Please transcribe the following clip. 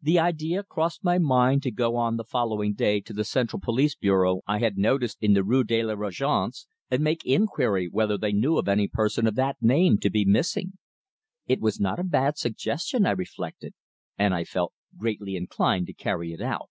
The idea crossed my mind to go on the following day to the central Police Bureau I had noticed in the Rue de la Regence, and make inquiry whether they knew of any person of that name to be missing. It was not a bad suggestion, I reflected, and I felt greatly inclined to carry it out.